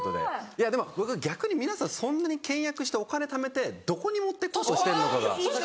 いやでも僕逆に皆さんそんなに倹約してお金貯めてどこに持ってこうとしてるのかが。